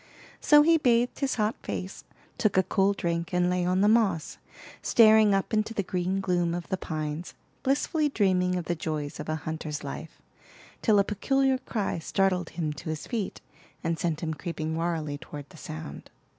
So he bathed his hot face, took a cool drink, and lay on the moss, staring up into the green gloom of the pines, blissfully dreaming of the joys of a hunter's life, till a peculiar cry startled him to his feet, and sent him creeping warily toward the sound.